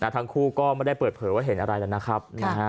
ทั้งคู่ก็ไม่ได้เปิดเผยว่าเห็นอะไรแล้วนะครับ